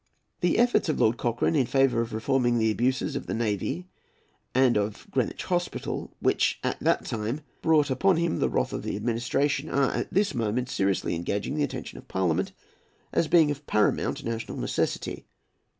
The efforts of Lord Cochrane in favour of reforming the abuses of the Navy and of Greenwich Hospital, which at that time brought upon him the wrath of the Administration, are at this moment seriously engaging the attention of parliament, as being of paramount national necessity.